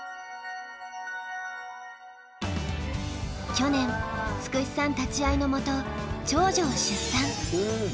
去年つくしさん立ち会いのもと長女を出産。